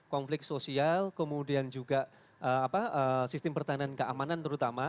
konflik sosial kemudian juga sistem pertahanan keamanan terutama